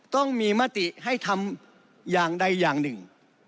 ต้องมีมติให้ทำอย่างใดอย่างหนึ่ง